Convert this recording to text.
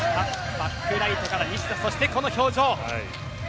バックライトから西田そしてこの表情。